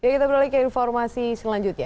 kita beralih ke informasi selanjutnya